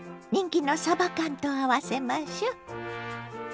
人気のさば缶と合わせましょ。